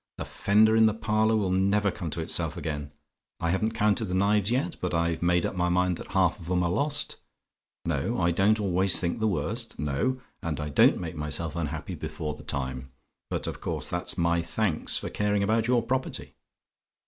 The fender in the parlour will never come to itself again. I haven't counted the knives yet, but I've made up my mind that half of 'em are lost. No: I don't always think the worst; no, and I don't make myself unhappy before the time; but of course that's my thanks for caring about your property.